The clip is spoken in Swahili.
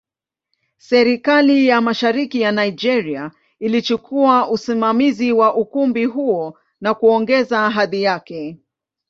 Serikali ya Mashariki ya Nigeria ilichukua usimamizi wa ukumbi huo na kuongeza hadhi yake.